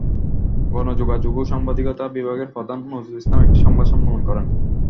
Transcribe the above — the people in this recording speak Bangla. গণযোগাযোগ ও সাংবাদিকতা বিভাগের প্রধান নজরুল ইসলাম একটি সংবাদ সম্মেলন করেন।